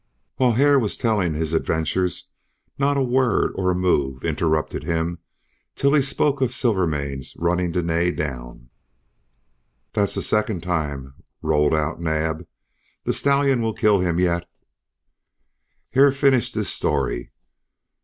While Hare was telling his adventures not a word or a move interrupted him till he spoke of Silvermane's running Dene down. "That's the second time!" rolled out Naab. "The stallion will kill him yet!" Hare finished his story.